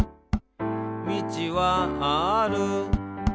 「みちはある」